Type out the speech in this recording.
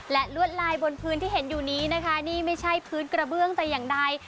และลวดลายบนพื้นที่เห็นอยู่นี้นะคะนี่ไม่ใช่พื้นกระเบื้องแต่อย่างใด